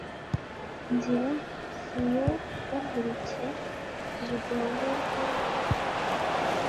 inzira ziyobaguritse, zigororwe.